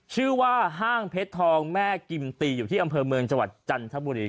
ชื่อว่าห้างเพชรทองแม่กิมตีอยู่ที่อำเภอเมืองจันทบุรี